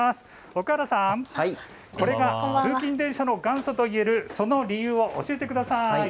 奥原さん、通勤電車の元祖といえるその理由を教えてください。